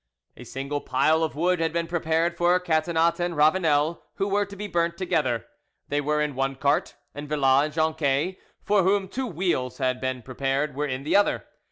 A single pile of wood had been prepared for Catinat and Ravanel, who were to be burnt together; they were in one cart, and Villas and Jonquet, for whom two wheels had been prepared, were in the other.